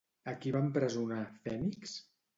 A qui va empresonar Fènix?